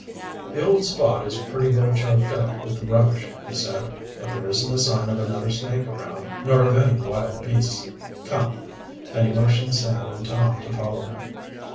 "The old spot is pretty well choked up with rubbish," he said. "But there isn't a sign of another snake around, nor of any wild beasts. Come," and he motioned Sam and Tom to follow him.